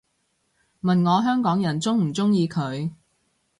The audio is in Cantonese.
問我香港人鍾唔鍾意佢